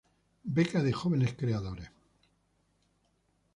Beca de Jóvenes Creadores.